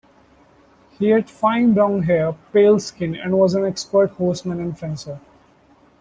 He had fine brown hair, pale skin, and was an expert horseman and fencer.